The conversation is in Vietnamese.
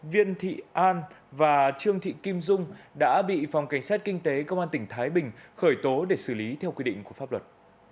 viên thị an và trương thị kim dung đã bị phòng cảnh sát kinh tế công an tỉnh thái bình khởi tố để xử lý theo quy định của pháp luật